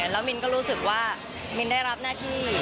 แล้วมินก็รู้สึกว่ามินได้รับหน้าที่